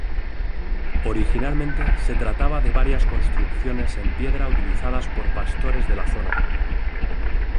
Originalmente se trataba de varias construcciones en piedra utilizadas por pastores de la zona.